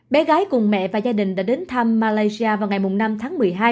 bé gái cùng mẹ và gia đình đã đến thăm malaysia vào ngày năm tháng một mươi hai